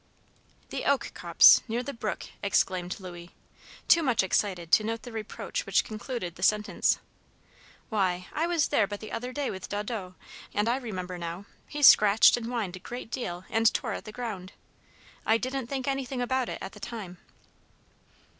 "The oak copse! Near the brook!" exclaimed Louis, too much excited to note the reproach which concluded the sentence. "Why, I was there but the other day with Daudot, and I remember now, he scratched and whined a great deal, and tore at the ground. I didn't think anything about it at the time."